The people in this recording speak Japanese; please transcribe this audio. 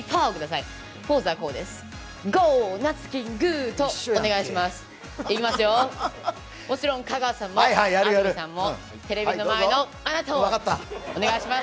いきますよ、もちろん香川さんも安住さんも、テレビの前のあなたも、お願いします。